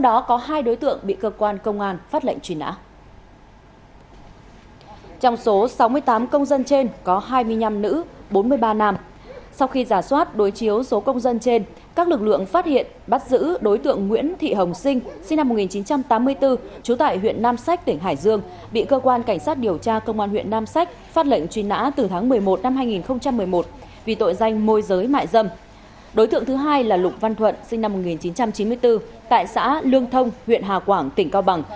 đối tượng thứ hai là lục văn thuận sinh năm một nghìn chín trăm chín mươi bốn tại xã lương thông huyện hà quảng tỉnh cao bằng